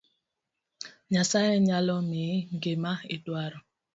Nyasaye nyalo miyi gima iduaro